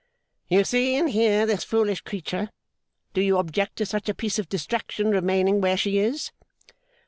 'You see and hear this foolish creature. Do you object to such a piece of distraction remaining where she is?